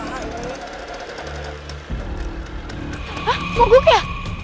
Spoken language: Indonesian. hah kok gug ya